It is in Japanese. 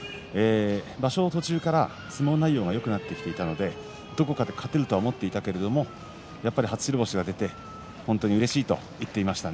場所の途中から相撲内容がよくなってきたのでどこかで勝てるとは思っていたがやっぱり初白星が取れてうれしいと言っていました。